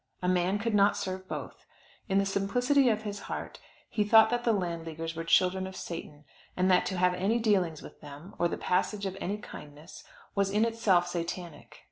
A man could not serve both. In the simplicity of his heart, he thought that the Landleaguers were children of Satan, and that to have any dealings with them, or the passage of any kindness, was in itself Satanic.